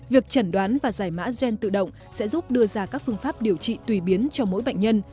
việc chẩn đoán và giải mã gen tự động sẽ giúp đưa ra các phương pháp điều trị tùy biến cho mỗi bệnh nhân